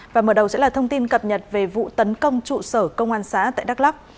và mở đầu sẽ là thông tin cập nhật về vụ tấn công trụ sở công an xã tại đắk lắc